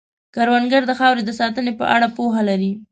کروندګر د خاورې د ساتنې په اړه پوهه لري